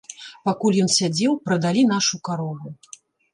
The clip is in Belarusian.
Пакуль ён сядзеў, прадалі нашу карову.